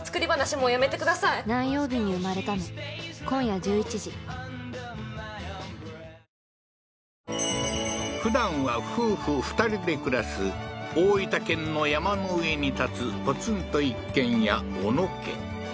もうやめてくださいふだんは夫婦２人で暮らす大分県の山の上に建つポツンと一軒家小野家